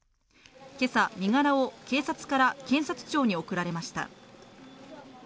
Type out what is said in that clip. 今朝、身柄を警察から検察庁に送られました。